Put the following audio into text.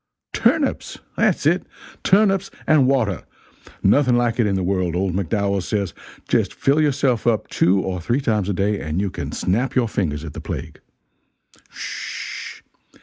Turnips! that's it! Turnips and water! Nothing like it in the world, old McDowells says, just fill yourself up two or three times a day, and you can snap your fingers at the plague. Sh!